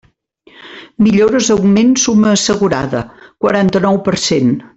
Millores augment summa assegurada: quaranta-nou per cent.